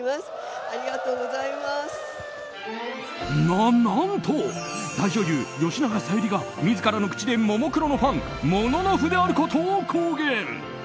な、何と大女優・吉永小百合が自らの口でももクロのファンモノノフであることを公言。